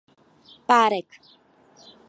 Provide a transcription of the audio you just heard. Párek.